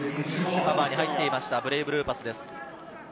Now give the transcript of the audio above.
カバーに入っていました、ブレイブルーパスです。